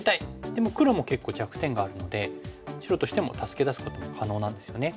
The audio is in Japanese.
でも黒も結構弱点があるので白としても助け出すことも可能なんですよね。